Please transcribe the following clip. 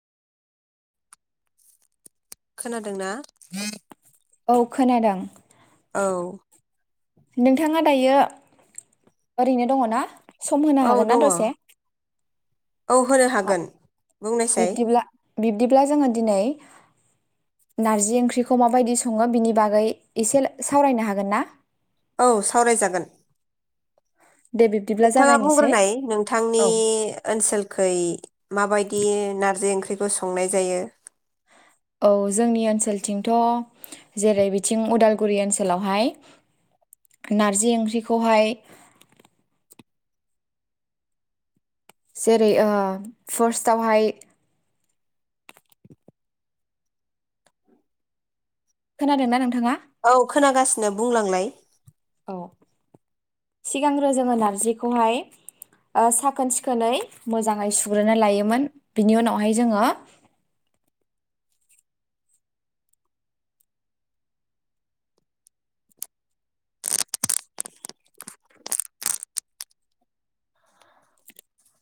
खोनादोंना औ खोनादों औ नोंथाङा दायो ओरैनो दङ ना सम होनो औ हागोन दङ ना दसे औ होनो अह हागोन बुंनायसाय बिब्दिब्ला बिब्दिब्ला जोङो दिनै नारजि ओंख्रिखौ माबायदि सङो बिनि बागै एसे सावरायनो हागोन ना? औ सावराय जागोन। दे बिब्दिब्ला नोंथाङा जागायनोसै बुंग्रोनाय नोंथांनि औ ओनसोलखै माबायदि नारजि ओंख्रिखौ संनाय जायो। औ जोंनि ओनसोलथिंथ' जेरै बिथिं उदालगुरि ओनसोलावहाय नारजि ओंख्रिखौहाय जेरै ओ फार्स्टआव हाय खोनादों ना नोंथाङा औ खोनागासिनो बुंलांलाय ओ सिगांग्रो जोङो नारजिखौहाय बा साखोन-सिखोनै मोजाङै सुग्रोना लायोमोन बिनि उनावहाय जोङो